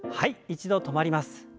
一度止まります。